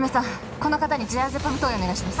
この方にジアゼパム投与お願いします